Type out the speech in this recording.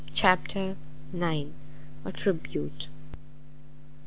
CHAPTER ix. A TRIBUTE.